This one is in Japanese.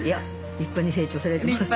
立派に成長されてます。